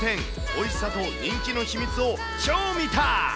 おいしさと人気の秘密を超見た！